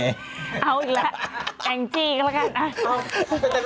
เอาอีกแล้วแกงจี้เขาแล้วกัน